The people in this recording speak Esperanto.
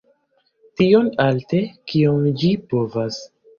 Tiom alte, kiom ĝi povas.